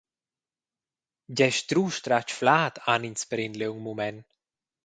Gie strusch tratg flad han ins per in liung mument.